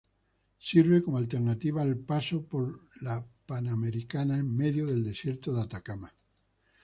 Sirve como alternativa al paso por la Panamericana en medio del desierto de Atacama.